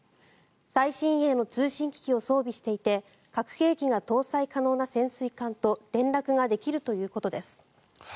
最新鋭の通信機器を装備していて核兵器が搭載可能な潜水艦と連絡ができるということです。